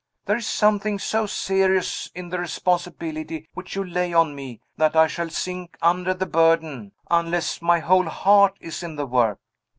There is something so serious in the responsibility which you lay on me, that I shall sink under the burden unless my whole heart is in the work.